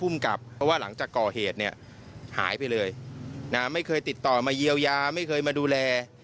ไม่เคยติดต่อมาเยียวยาไม่เคยมาดูแล